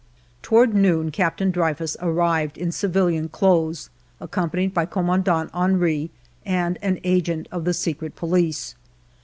Toward noon. Captain Dreyfus arrived, in civilian clothes, accompanied by Commandant Henry and an agent of the secret police.